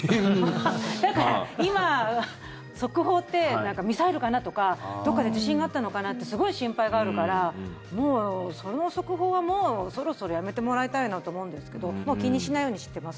だから今、速報ってミサイルかなとかどこかで地震があったのかなってすごい心配があるからもう、その速報はそろそろやめてもらいたいなと思うんですけどもう気にしないようにしてます。